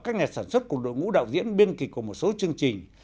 các nhà sản xuất cùng đội ngũ đạo diễn biên kịch của một số chương trình